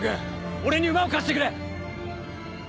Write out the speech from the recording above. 俺に馬を貸してくれ！